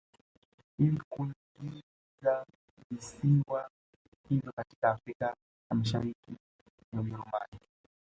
Ili kuingiza visiwa hivyo katika Afrika ya Mashariki ya Ujerumani